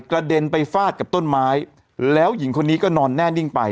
เด็นไปฟาดกับต้นไม้แล้วหญิงคนนี้ก็นอนแน่นิ่งไป